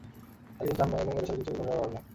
তাঁরা কিছুই চান না এবং জ্ঞাতসারে কিছু করেনও না।